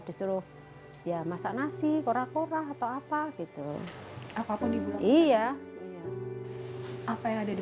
disuruh ya masak nasi kora kora atau apa gitu apapun ibu iya apa yang ada di